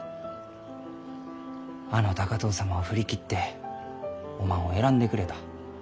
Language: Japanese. あの高藤様を振り切っておまんを選んでくれた。